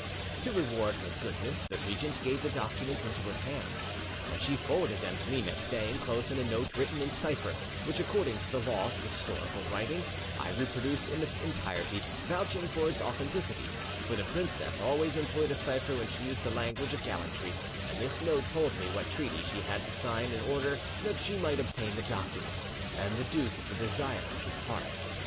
"To reward her goodness the regent gave the documents into her hands, and she forwarded them to me next day, enclosed in a note written in cipher, which, according to the laws of historical writing, I reproduce in its entirety, vouching for its authenticity; for the princess always employed a cipher when she used the language of gallantry, and this note told me what treaty she had had to sign in order that she might obtain the documents, and the duke the desire of his heart.